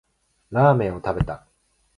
ラーメンを食べた